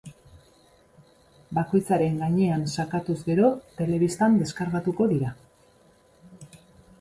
Bakoitzaren gainean sakatuz gero, telebistan deskargatuko dira.